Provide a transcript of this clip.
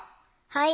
はい。